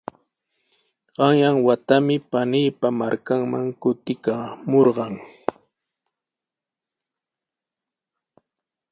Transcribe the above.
Qanyan watami paniiqa markanman kutikamurqan.